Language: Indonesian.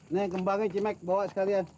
naik kembangnya cimek bawa sekalian